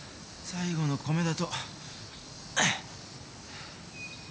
最後の米だと。